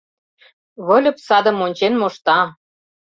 Выльып садым ончен мошта.